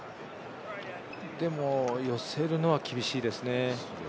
でも、寄せるのは厳しいですね。